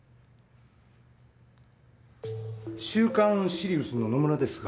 『週刊シリウス』の野村ですが。